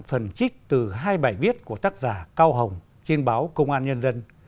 phần trích từ hai bài viết của tác giả cao hồng trên báo công an nhân dân